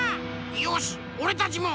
よしおれたちも！